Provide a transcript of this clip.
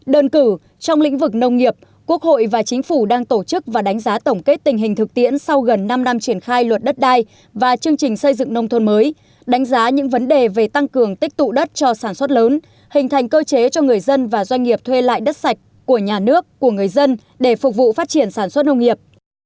đơn cử trong lĩnh vực nông nghiệp quốc hội và chính phủ đang tổ chức và đánh giá tổng kết tình hình thực tiễn sau gần năm năm triển khai luật đất đai và chương trình xây dựng nông thôn mới đánh giá những vấn đề về tăng cường tích tụ đất cho sản xuất lớn hình thành cơ chế cho người dân và doanh nghiệp thuê lại đất sạch của nhà nước của người dân để phục vụ phát triển sản xuất nông nghiệp